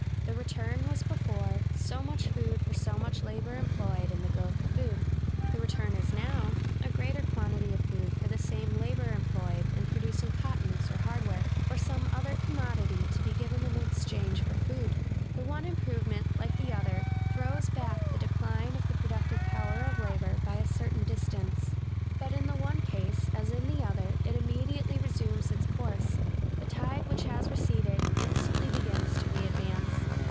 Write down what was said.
The return was before, so much food for so much labor employed in the growth of food: the return is now, a greater quantity of food for the same labor employed in producing cottons or hardware, or some other commodity to be given in exchange for food. The one improvement, like the other, throws back the decline of the productive power of labor by a certain distance: but in the one case, as in the other, it immediately resumes its course; the tide which has receded, instantly begins to readvance.